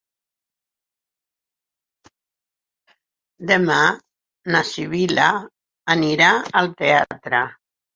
Demà na Sibil·la irà al teatre.